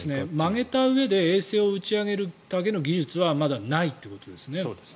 曲げたうえで衛星を打ち上げるだけの技術はまだないということですね。